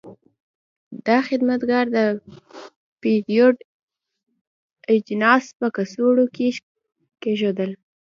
دا خدمتګر د پیرود اجناس په کڅوړو کې کېښودل.